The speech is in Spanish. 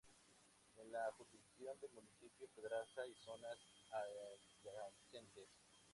En la jurisdicción del Municipio Pedraza y zonas adyacentes.